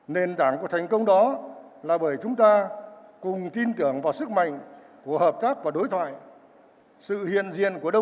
nền tảng của thành công đó là bởi chúng ta cùng tin tưởng vào sự phát triển kinh tế